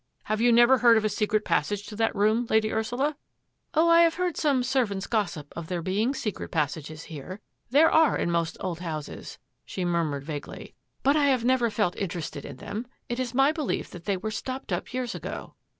Have you never heard of a secret passage to that room. Lady Ursula? "" Oh, I have heard some servants' gossip of there being secret passages here; there are in most old houses," she murmured vaguely, " but I have never ACCUSATIONS 79 felt interested In them. It Is my belief that they were stopped up years ago."